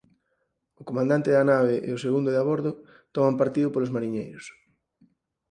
O comandante da nave e o segundo de abordo toman partido polos mariñeiros.